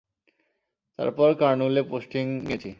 তারপর কারনুলে পোস্টিং নিয়েছি।